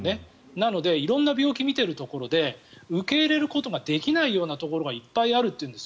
なので色んな病気を診ているところで受け入れることができないようなところがいっぱいあるというんです。